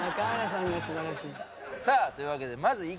さあというわけで。